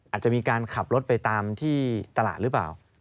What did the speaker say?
อาจจะมีการขับรถไปตามที่ตลาดหรือเปล่า